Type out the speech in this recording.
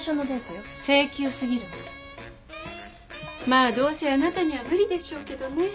まあどうせあなたには無理でしょうけどね。